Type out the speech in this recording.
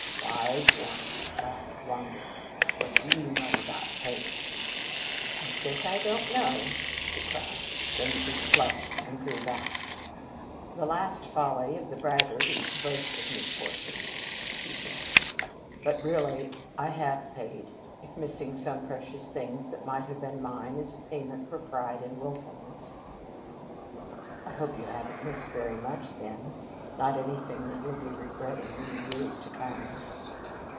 "Wise one!" laughed Wander. "What do you know about paying?" "You think I don't know!" she cried. Then she flushed and drew back. "The last folly of the braggart is to boast of misfortune," she said. "But, really, I have paid, if missing some precious things that might have been mine is a payment for pride and wilfullness." "I hope you haven't missed very much, then, not anything that you'll be regretting in the years to come."